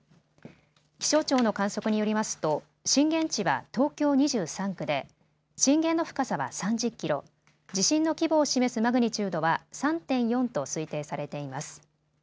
気象庁の観測によりますと震源地は東京２３区で震源の深さは３０キロ、地震の規模を示すマグニチュードは３．４と推定されています。